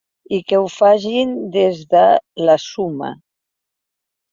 I que ho facin des de la ‘suma’.